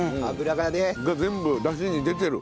が全部ダシに出てる。